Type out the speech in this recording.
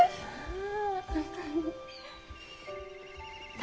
あ。